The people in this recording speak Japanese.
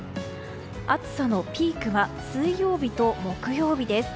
暑さのピークは水曜日と木曜日です。